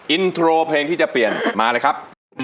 อินโทรเพลงที่จะเปลี่ยนมาเลยครับ